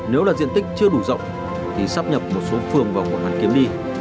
nếu là diện tích chưa đủ rộng thì sắp nhập một số phường vào quận hoàn kiếm đi